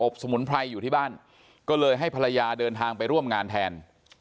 สมุนไพรอยู่ที่บ้านก็เลยให้ภรรยาเดินทางไปร่วมงานแทน